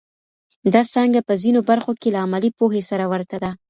دا څانګه په ځینو برخو کې له عملي پوهې سره ورته ده.